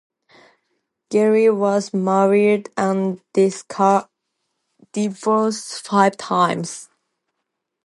Getty was married and divorced five times.